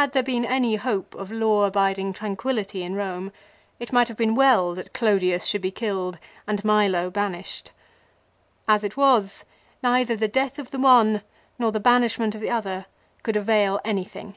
Had there been any hope of law abiding tranquillity in Eome it might have been well that Clodius should be killed and Milo banished. As it was neither the death of the one nor the banishment of the other could avail anything.